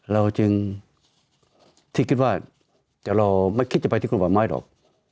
เราจึงถือว่าเราไม่คิดจะไปกลมป่าไม้หรอก